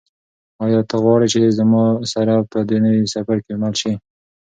آیا ته غواړې چې زما سره په دې نوي سفر کې مل شې؟